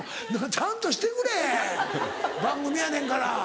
ちゃんとしてくれ番組やねんから。